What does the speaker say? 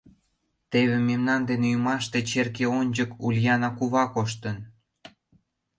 Теве мемнан дене ӱмаште черке ончык Ульяна кува коштын.